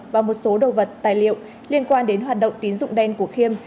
và một số đồ vật tài liệu liên quan đến hoạt động tín dụng đen của khiêm